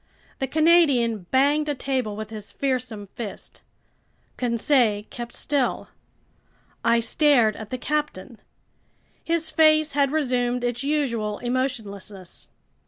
The Canadian banged a table with his fearsome fist. Conseil kept still. I stared at the captain. His face had resumed its usual emotionlessness.